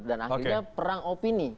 dan akhirnya perang opini